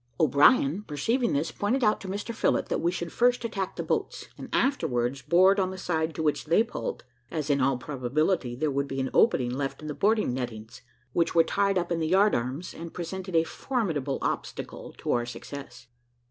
O'Brien perceiving this, pointed out to Mr Phillott that we should first attack the boats, and afterwards board on the side to which they pulled; as, in all probability, there would be an opening left in the boarding nettings, which were tied up to the yard arms, and presented a formidable obstacle to our success.